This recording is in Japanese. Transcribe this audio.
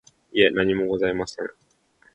いえ、何もございません。